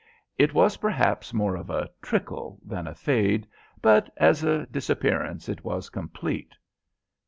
It was perhaps more of a trickle than a fade, but as a disappearance it was complete.